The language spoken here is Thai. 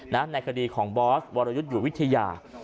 ในคดีของบอสวรยุทธ์อยู่วิทยา